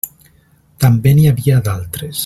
També n'hi havia d'altres.